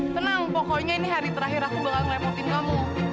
tenang pokoknya ini hari terakhir aku bakal ngerepotin kamu